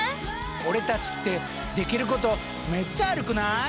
俺たちってできることめっちゃあるくない？